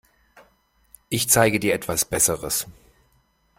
Ich zeige dir etwas Besseres.